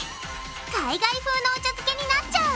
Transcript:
海外風のお茶漬けになっちゃう！